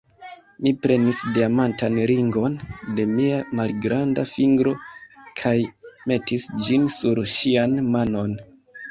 Mi prenis diamantan ringon de mia malgranda fingro kaj metis ĝin sur ŝian manon.